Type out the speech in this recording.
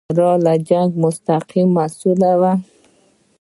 د ساړه جنګ مستقیم محصول وو.